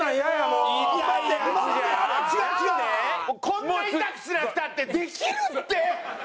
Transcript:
こんな痛くしなくたってできるって！